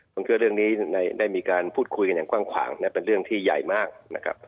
ผมเชื่อเรื่องนี้ได้มีการพูดคุยกันอย่างกว้างขวางเป็นเรื่องที่ใหญ่มากนะครับ